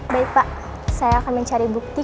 baik pak saya akan mencari bukti